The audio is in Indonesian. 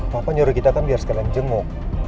papa nyuruh kita kan biar sekalian jenguk